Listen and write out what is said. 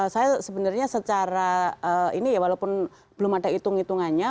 saya sebenarnya secara ini ya walaupun belum ada hitung hitungannya